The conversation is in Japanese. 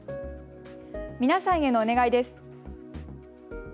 皆さんへのお願いです。